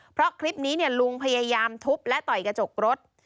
เพราะคลิปนี้ลุงพยายามทุบและต่อยกระจกรถ